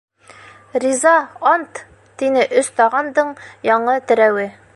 - Риза, ант! - тине «Өс таған» дың яңы терәүе.